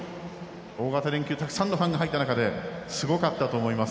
大型連休たくさんのファンが入った中ですごかったと思います。